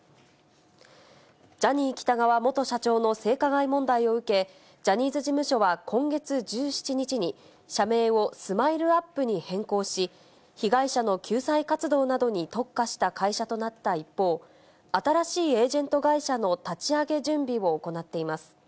ジャニー喜多川元社長の性加害問題を受け、ジャニーズ事務所は今月１７日に社名をスマイルアップに変更し、被害者の救済活動などに特化した会社となった一方、新しいエージェント会社の立ち上げ準備を行っています。